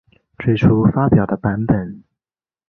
最初发表的版本。